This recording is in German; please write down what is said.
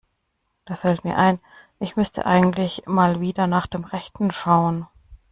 Da fällt mir ein, ich müsste eigentlich mal wieder nach dem Rechten schauen.